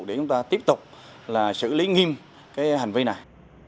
để chúng ta tiếp tục xử lý nghiêm hành vi này